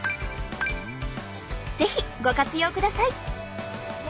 是非ご活用ください。